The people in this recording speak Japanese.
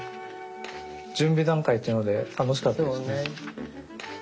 準備段階というので楽しかったですね。